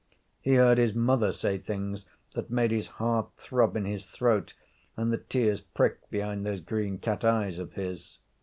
He heard his mother say things that made his heart throb in his throat and the tears prick behind those green cat eyes of his.